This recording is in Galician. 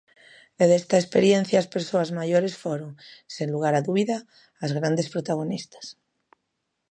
E desta experiencia as persoas maiores foron, sen lugar a dúbida, as grandes protagonistas.